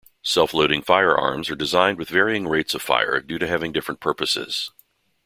Self-loading firearms are designed with varying rates of fire due to having different purposes.